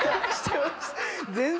全然。